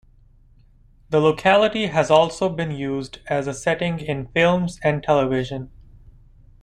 The locality has also been used as a setting in films and television.